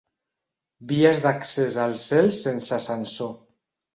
Vies d'accés al cel sense ascensor.